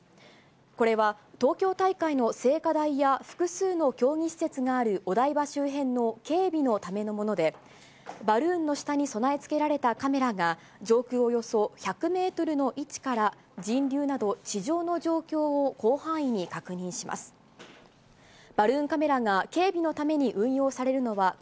これは東京大会の聖火台や複数の競技施設があるお台場周辺の警備のためのもので、バルーンの下に備え付けられたカメラが、上空およそ１００メートルの位置から、人流など地上の状況を広範全国の皆さんこんにちは。